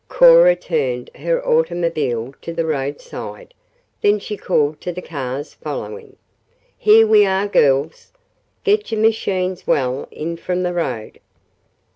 Cora turned her auto to the roadside. Then she called to the cars following: "Here we are, girls. Get your machines well in from the road."